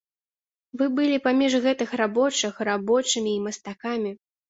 Вы былі паміж гэтых рабочых рабочымі і мастакамі.